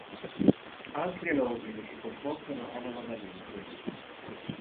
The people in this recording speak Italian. Altri alogeni si comportano analogamente.